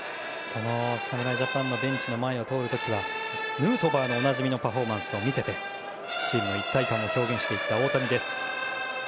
侍ジャパンのベンチの前を通る時はヌートバーのおなじみのパーフェクトを見せてチームの一体感を表現した大谷。